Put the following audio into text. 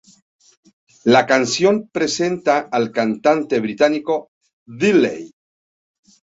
La canción presenta al cantante británico Daley.